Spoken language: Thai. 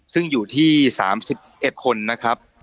ซึ่งอยู่ที่๓๑คนนะครับ